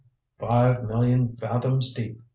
"Five million fathoms deep.